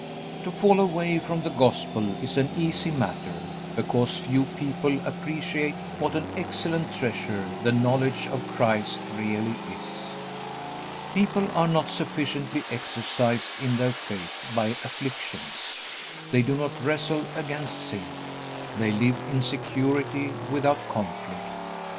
To fall away from the Gospel is an easy matter because few people appreciate what an excellent treasure the knowledge of Christ really is. People are not sufficiently exercised in their faith by afflictions. They do not wrestle against sin. They live in security without conflict.